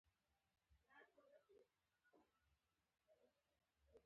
اوس کولای شو یوې پدیدې ته له څو لیدلوریو وګورو.